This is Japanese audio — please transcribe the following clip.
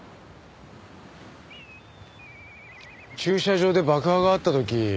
駐車場で爆破があった時。